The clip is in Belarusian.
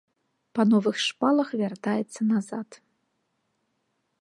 Па новых шпалах вяртаецца назад.